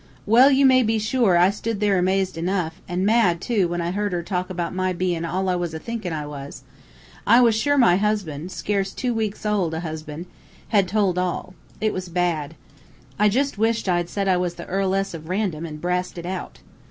"Well, you may be sure, I stood there amazed enough, an' mad too when I heard her talk about my bein' all I was a thinkin' I was. I was sure my husband scarce two weeks old, a husband had told all. It was too bad. I wished I had jus' said I was the Earl ess of Random an' brassed it out.